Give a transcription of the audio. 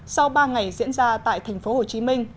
sau ba ngày diễn ra tại tp hcm